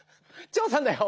チョーさんだよ。